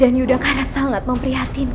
ilmu kanuraganya begitu tinggi